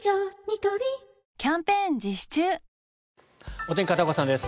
お天気、片岡さんです。